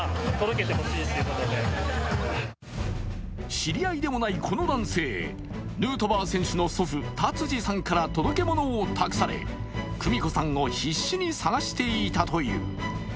知り合いでもないこの男性、ヌートバー選手の祖父達治さんから届け物を託され、久美子さんを必死に探していたという。